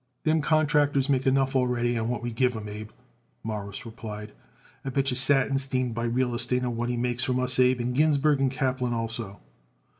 "Them contractors makes enough already on what we give them, Abe," Morris replied. "I bet yer Satinstein buys real estate on what he makes from us, Abe, and Ginsburg & Kaplan also."